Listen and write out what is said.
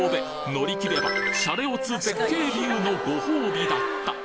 乗り切ればシャレオツ絶景ビューのご褒美だった！